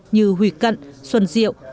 như huy cận xuân diệu nguyễn đức